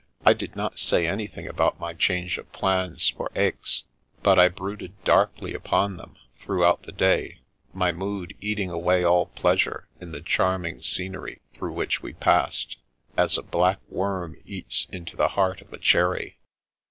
I did not say any thing about my change of plans for Aix, but I brooded darkly upon them throughout the day, my mood eating away all pleasure in the charming scenery through which we passed, as a black worm eats into the heart of a cherry.